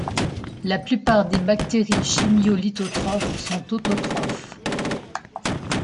La plupart des bactéries chimio-lithotrophes sont autotrophes.